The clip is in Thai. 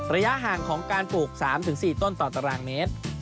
ระยะห่างของการปลูก๓๔ต้นต่อตารางเมตร